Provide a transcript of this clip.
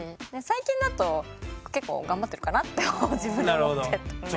最近だと結構頑張ってるかなって自分で思ってたので。